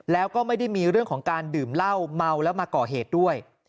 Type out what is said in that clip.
แล้วก็ไม่ได้มีเรื่องของการดื่มเหล้าเมาแล้วมาก่อเหตุด้วย